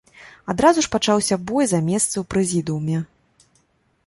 Адразу ж пачаўся бой за месцы ў прэзідыуме.